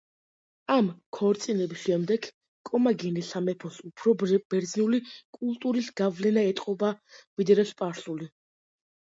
ამ ქორწინების შემდეგ კომაგენეს სამეფოს უფრო ბერძნული კულტურის გავლენა ეტყობა ვიდრე სპარსული.